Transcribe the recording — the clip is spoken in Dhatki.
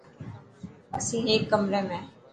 اسين هيڪ ڪمري ۾.